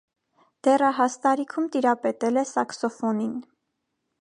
Դեռահաս տարիքում տիրապետել է սաքսոֆոնին։